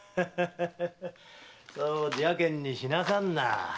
そう邪険にしなさんな。